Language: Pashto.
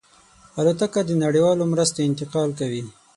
الوتکه د نړیوالو مرستو انتقال کوي.